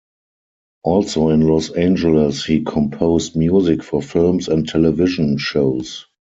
Also in Los Angeles he composed music for films and television shows.